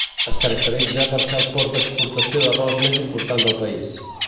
Es caracteritza per ser el port d'exportació d'arròs més important del país.